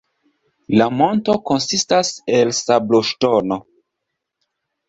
La monto konsistas el sabloŝtono.